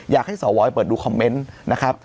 อยากให้สวเปิดดูคอมเมนต์นะครับ